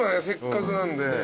せっかくなんで。